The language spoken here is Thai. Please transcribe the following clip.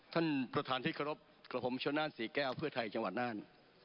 ท่านประธานทิศครบกระผมชนนั่นซีแก้อเพื่อไทยจังหวัดนั่น